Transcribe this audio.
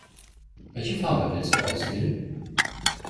Welche Farbe willst du auswählen?